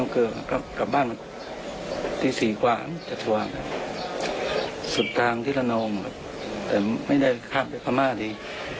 เค้าก็ท่าอย่างไรจากจากท่าเหลือถ่ายทางหน้าก็จะไปถูกแล้วนอมได้